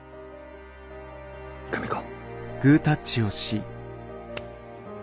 久美子。